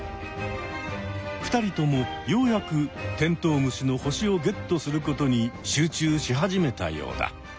２人ともようやくテントウムシの星をゲットすることに集中し始めたようだ。